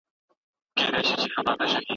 پوهنتون شاګرد ته اجازه ورکړه.